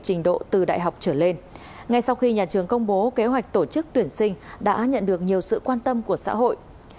trình độ từ đại học trở lên ngay sau khi nhà trường công bố kế hoạch tổ chức tuyển sinh đã nhận được nhiều sự quan tâm của xã hội